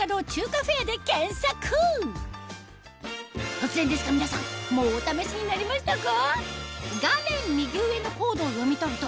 突然ですが皆さんもうお試しになりましたか？